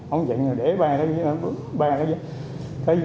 ông dạy để ba cái giá